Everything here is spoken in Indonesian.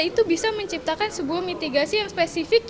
itu bisa menciptakan sebuah mitigasi yang spesifik